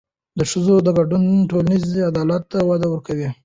د ښځو ګډون ټولنیز عدالت ته وده ورکوي.